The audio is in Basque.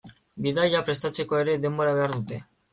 Bidaia prestatzeko ere denbora behar dute.